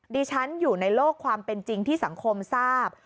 ดิฉันอยู่ในโลกความเป็นจริงที่สังคมทราบ